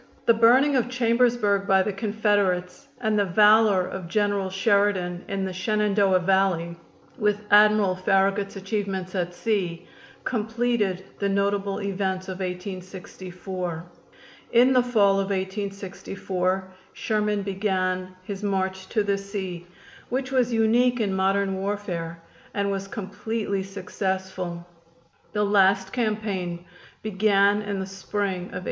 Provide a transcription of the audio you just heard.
The burning of Chambersburg by the Confederates and the valor of General Sheridan in the Shenandoah Valley, with Admiral Farragut's achievements at sea, completed the notable events of 1864. In the fall of 1864 Sherman began his march to the sea, which was unique in modern warfare, and was completely successful. The last campaign began in the spring of 1865.